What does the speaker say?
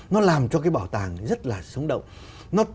nó làm cho cái bảo tàng rất là sống động nó